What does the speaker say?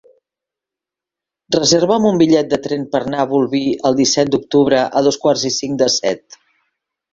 Reserva'm un bitllet de tren per anar a Bolvir el disset d'octubre a dos quarts i cinc de set.